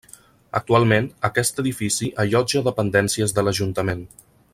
Actualment, aquest edifici allotja dependències de l'Ajuntament.